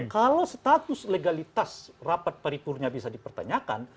kalau status legalitas rapat paripurnya bisa dipertanyakan